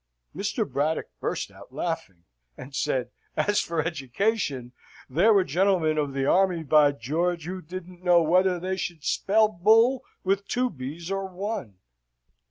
Mr. Braddock burst out laughing, and said, "As for education, there were gentlemen of the army, by George, who didn't know whether they should spell bull with two b's or one.